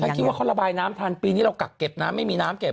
คิดว่าเขาระบายน้ำทันปีนี้เรากักเก็บน้ำไม่มีน้ำเก็บ